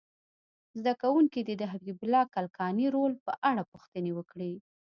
زده کوونکي دې د حبیب الله کلکاني رول په اړه پوښتنې وکړي.